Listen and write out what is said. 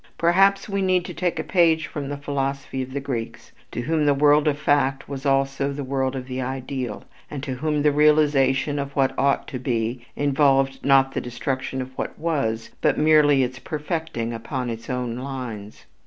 Perhaps we need to take a page from the philosophy of the Greeks to whom the world of fact was also the world of the ideal, and to whom the realization of what ought to be, involved not the destruction of what was, but merely its perfecting upon its own lines.